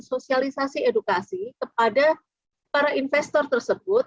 sosialisasi edukasi kepada para investor tersebut